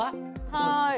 はい。